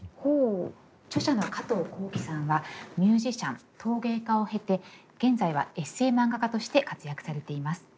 著者のカトーコーキさんはミュージシャン陶芸家を経て現在はエッセイ漫画家として活躍されています。